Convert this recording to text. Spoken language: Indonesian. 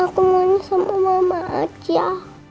aku mau sama mama aja